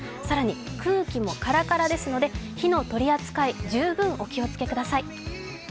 更に空気もからからですので火の取り扱い十分お気をつけください。